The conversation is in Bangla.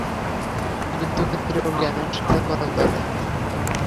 যুদ্ধক্ষেত্রেও জ্ঞানের সাধনা করা চলে।